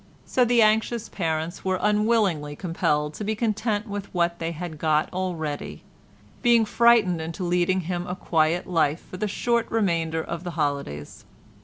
So the anxious parents were unwillingly compelled to be content with what they had got already—being frightened into leading him a quiet life for the short remainder of the holidays.